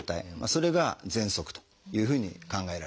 それがぜんそくというふうに考えられています。